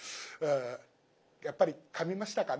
やっぱりかみましたかね。